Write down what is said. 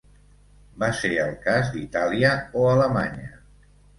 Va ser el cas d’Itàlia o Alemanya.